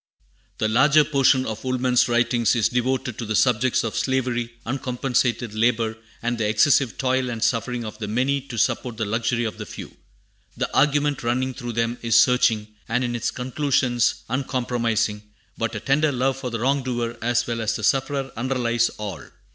The larger portion of Woolman's writings is devoted to the subjects of slavery, uncompensated labor, and the excessive toil and suffering of the many to support the luxury of the few. The argument running through them is searching, and in its conclusions uncompromising, but a tender love for the wrong doer as well as the sufferer underlies all.